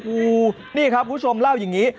โอ้โหนี่ครับคุณผู้ชมเล่าอย่างนี้